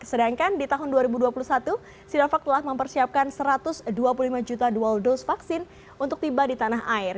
sedangkan di tahun dua ribu dua puluh satu sinovac telah mempersiapkan satu ratus dua puluh lima juta dual dose vaksin untuk tiba di tanah air